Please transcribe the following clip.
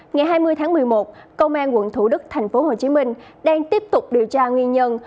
ngày hai mươi tháng một mươi một công an quận thủ đức tp hcm đang tiếp tục điều tra nguyên nhân